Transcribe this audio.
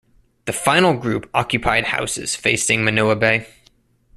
The final group occupied houses facing Manao Bay.